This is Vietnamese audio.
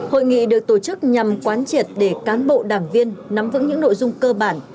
hội nghị được tổ chức nhằm quán triệt để cán bộ đảng viên nắm vững những nội dung cơ bản